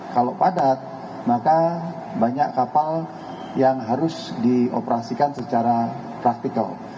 kalau padat maka banyak kapal yang harus dioperasikan secara praktikal